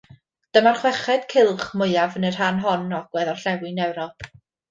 Dyma'r chweched cylch mwyaf yn y rhan hon o Ogledd-orllewin Ewrop.